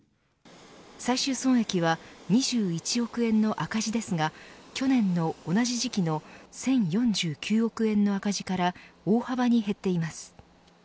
最終損益は２１億円の赤字ですが去年の同じ時期の１０４９億円の赤字から大幅に減っています。